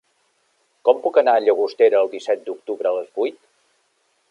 Com puc anar a Llagostera el disset d'octubre a les vuit?